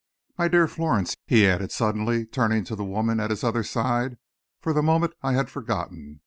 My dear Florence," he added, suddenly turning to the woman at his other side, "for the moment I had forgotten.